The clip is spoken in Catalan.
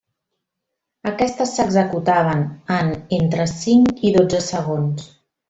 Aquestes s'executaven en entre cinc i dotze segons.